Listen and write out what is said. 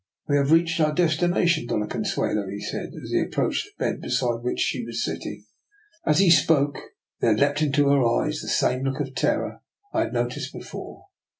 " We have reached our destination, Dofia Consuelo," he said, as he approached the bed, beside which she was sitting. As he spoke, there leapt into her eyes the sjim^ look of terror I had noticed before.